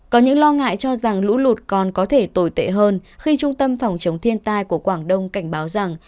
có những lo ngại cho rằng lũ lụt còn có thể tồi tệ hơn khi trung tâm phòng chống thiên tai của quảng đông cảnh báo rằng